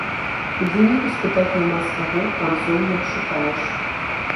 У выніку спытаць няма з каго, канцоў не адшукаеш.